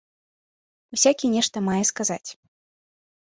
Усякі нешта мае сказаць.